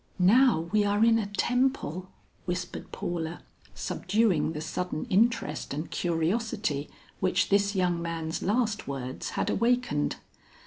"Now we are in a temple!" whispered Paula, subduing the sudden interest and curiosity which this young man's last words had awakened.